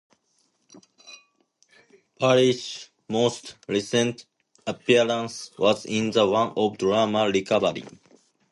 Parish's most recent appearance was in the one-off drama "Recovery".